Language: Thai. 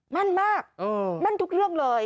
มั่นมากมั่นทุกเรื่องเลย